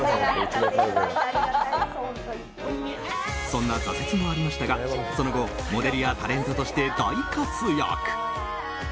そんな挫折もありましたがその後モデルやタレントとして大活躍。